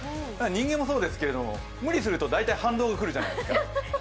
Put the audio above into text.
人間もそうですけど無理すると反動くるじゃないですか。